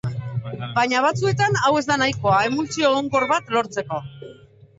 Baina batzuetan hau ez da nahikoa emultsio egonkor bat lortzeko.